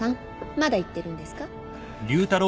まだ言ってるんですか？